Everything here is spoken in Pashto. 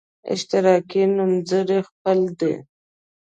اشتراکي نومځري خپل دی.